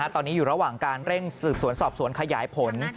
ตอนนี้อยู่ระหว่างการเร่งสืบสวนสอบสวนขยายผล